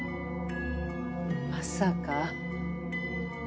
まさか。